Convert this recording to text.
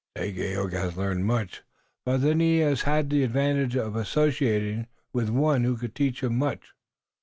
"Dagaeoga has learned much. But then he has had the advantage of associating with one who could teach him much."